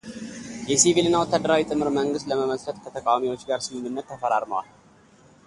የሲቪልና ወታደራዊ ጥምር መንግሥት ለመመስረት ከተቃዋሚዎች ጋር ስምምነት ተፈራርመዋል።